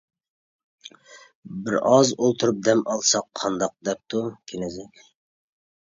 بىر ئاز ئولتۇرۇپ دەم ئالساق قانداق؟ دەپتۇ كېنىزەك.